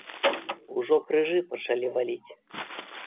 Ужо крыжы пачалі валіць!